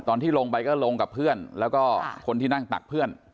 ตอนที่ลงไปก็ลงกับเพื่อนแล้วก็คนที่นั่งตักเพื่อน